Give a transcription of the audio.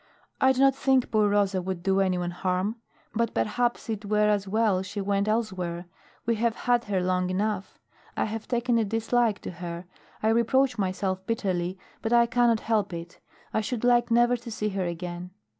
"I do not think poor Rosa would do anyone harm. But perhaps it were as well she went elsewhere. We have had her long enough. I have taken a dislike to her. I reproach myself bitterly, but I cannot help it. I should like never to see her again."